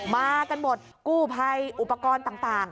มากันหมดกู้ภัยอุปกรณ์ต่าง